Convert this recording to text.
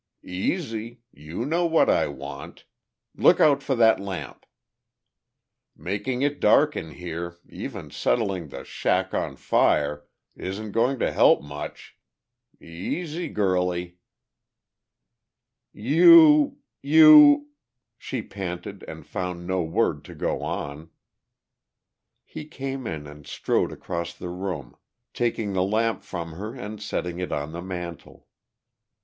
"Easy. You know what I want.... Look out for that lamp! Making it dark in here, even setting the shack on fire, isn't going to help much. Easy, girlie." "You ... you ..." she panted, and found no word to go on. He came in and strode across the room, taking the lamp from her and setting it on the mantel.